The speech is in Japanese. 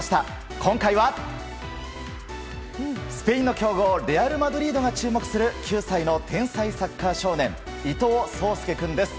今回は、スペインの強豪レアル・マドリードが注目する９歳の天才サッカー少年伊藤颯亮君です。